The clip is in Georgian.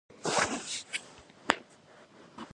ნუშის რძეს ნაკლები კალორია და ნაკლები ცილა გააჩნია.